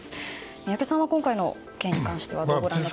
宮家さんは今回の件に関してはいかがですか。